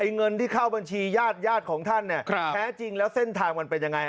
เงินที่เข้าบัญชีญาติญาติของท่านแท้จริงแล้วเส้นทางมันเป็นยังไง